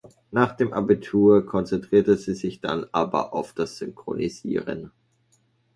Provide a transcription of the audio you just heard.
Nach dem Abitur konzentrierte sie sich dann aber auf das Synchronisieren.